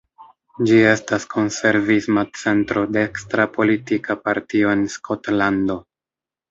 Ĝi estas konservisma centro-dekstra politika partio en Skotlando.